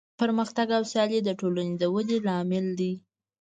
پرمختګ او سیالي د ټولنې د ودې لامل دی.